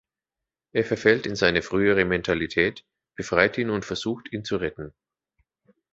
Er verfällt in seine frühere Mentalität, befreit ihn und versucht, ihn zu retten.